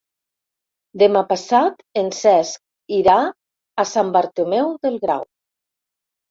Demà passat en Cesc irà a Sant Bartomeu del Grau.